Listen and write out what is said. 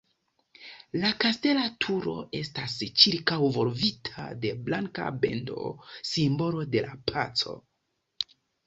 La kastela turo estas ĉirkaŭvolvita de blanka bendo, simbolo de la paco.